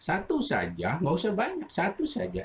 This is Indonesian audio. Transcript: satu saja nggak usah banyak satu saja